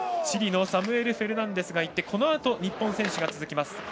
チリのサムエル・フェルナンデスが行ってこのあと日本選手が続きます。